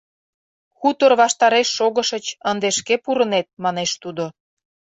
— Хутор ваштареш шогышыч, ынде шке пурынет, — манеш тудо.